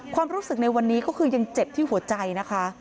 ความรู้สึกในวันนี้ก็คือยังเจ็บที่หัวใจนะคะ